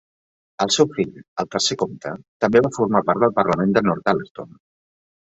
El seu fill, el tercer comte, també va formar part del Parlament per Northallerton.